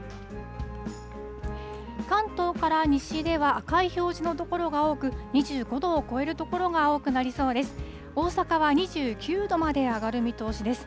関東から西では、赤い表示の所が多く、２５度を超える所が多くなりそうです。